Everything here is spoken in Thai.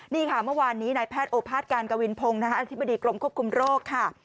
นี่ค่ะเมื่อวานนี้นายแพทย์โอภาษการกวินพงศ์อธิบดีกรมควบคุมโรคค่ะ